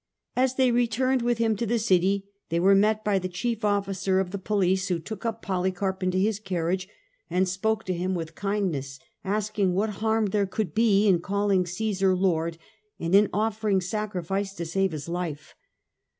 As they returnpd with him to the city they were met by the chief officer of the police, who took up Polycarp into his carriage, and spoke to him with kindness, asking what harm there could be in calling Caesar lord, and in offering sacrifice to save his life.